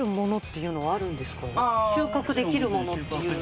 収穫できるものっていう。